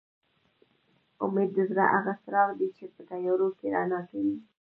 اميد د زړه هغه څراغ دي چې په تيارو کې رڼا کوي